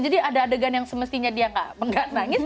jadi ada adegan yang semestinya dia gak nangis